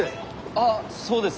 あっそうです。